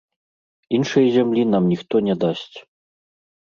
Іншай зямлі нам ніхто не дасць.